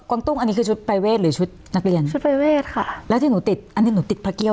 อันนี้คือชุดไพเวสหรือชุดนักเรียน